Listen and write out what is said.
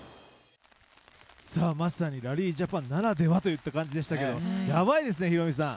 まさにラリージャパンならではといった感じでしたけどやばいですね、ヒロミさん。